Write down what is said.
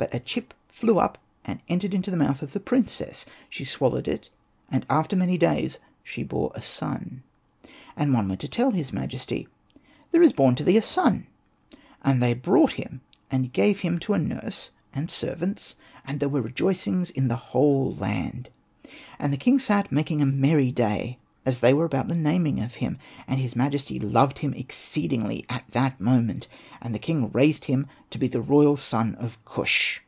But a chip flew up, and it entered into the mouth of the princess ; she swallowed it, and after many days she bore a son. And one went to tell his majesty, '' There is born to thee a son." And they brought him, and gave to him a nurse and servants ; and there were rejoicings in the whole land. And the king sat making a merry day, as they were about the naming of him, and his majesty loved him exceedingly at that moment, and the king raised him to be the royal son of Kush.